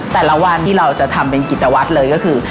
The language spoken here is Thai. แต่ละวันที่เราจะทำเป็นกิจวัตรเลยก็คือ